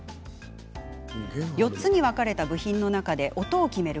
４つに分かれた部品の中で音を決める